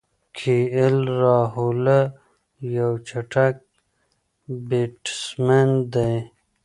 کی ایل راهوله یو چټک بیټسمېن دئ.